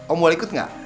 om walikut gak